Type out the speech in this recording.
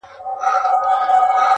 ماته اوس هم راځي حال د چا د ياد.